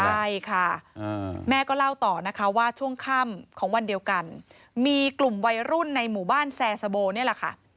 ใช่ค่ะแม่ก็เล่าต่อนะคะว่าช่วงค่ำของวันเดียวกันมีกลุ่มวัยรุ่นในหมู่บ้านแซสโบนี่แหละค่ะ